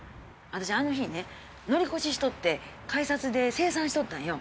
私あの日ね乗り越ししとって改札で清算しとったんよ。